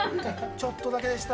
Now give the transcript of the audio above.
ちょっとだけでした。